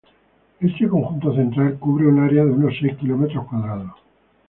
Este conjunto central, cubre un área de unos seis kilómetros cuadrados.